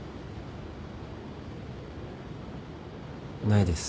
ないです。